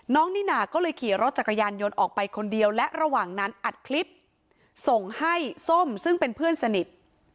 นิน่าก็เลยขี่รถจักรยานยนต์ออกไปคนเดียวและระหว่างนั้นอัดคลิปส่งให้ส้มซึ่งเป็นเพื่อนสนิท